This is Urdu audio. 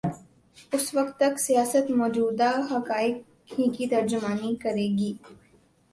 اس وقت تک سیاست موجود حقائق ہی کی ترجمانی کرے گی۔